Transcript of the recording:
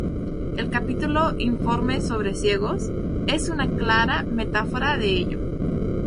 El capítulo "Informe sobre ciegos" es una clara metáfora de ello.